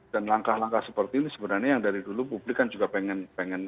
dan langkah langkah seperti ini sebenarnya yang dari dulu publik kan juga pengen